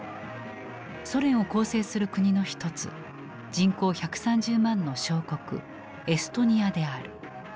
ソ連を構成する国の一つ人口１３０万の小国エストニアである。